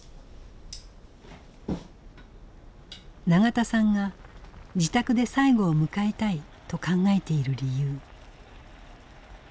永田さんが自宅で最期を迎えたいと考えている理由。